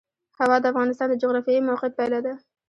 هوا د افغانستان د جغرافیایي موقیعت پایله ده.